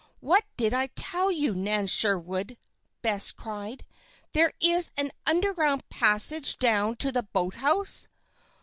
"What did I tell you, Nan Sherwood?" Bess cried. "There is an underground passage down to the boathouse!"